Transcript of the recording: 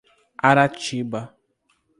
Aratiba